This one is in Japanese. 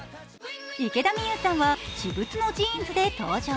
池田美優さんは私物のジーンズで登場。